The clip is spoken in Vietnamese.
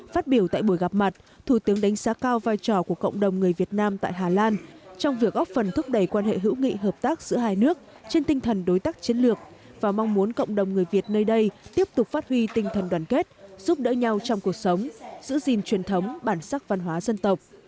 phát biểu tại buổi gặp mặt thủ tướng đánh giá cao vai trò của cộng đồng người việt nam tại hà lan trong việc góp phần thúc đẩy quan hệ hữu nghị hợp tác giữa hai nước trên tinh thần đối tác chiến lược và mong muốn cộng đồng người việt nơi đây tiếp tục phát huy tinh thần đoàn kết giúp đỡ nhau trong cuộc sống giữ gìn truyền thống bản sắc văn hóa dân tộc